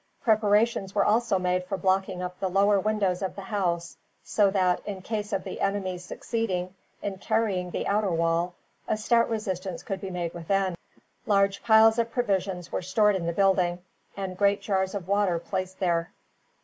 Preparations were also made for blocking up the lower windows of the house so that, in case of the enemy succeeding in carrying the outer wall, a stout resistance could be made within. Large piles of provisions were stored in the building, and great jars of water placed there.